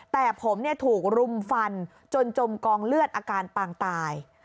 แต่ผมถูกรุมฟันจนจมกองเลือดอาการปางตาย